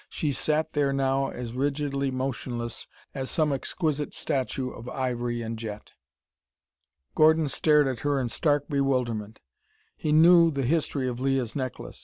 She sat there now as rigidly motionless as some exquisite statue of ivory and jet. Gordon stared at her in stark bewilderment. He knew the history of Leah's necklace.